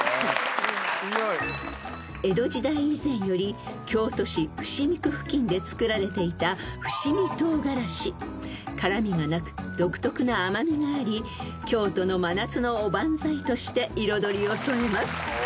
［江戸時代以前より京都市伏見区付近で作られていた伏見とうがらし］［辛味がなく独特な甘味があり京都の真夏のおばんざいとして彩りを添えます］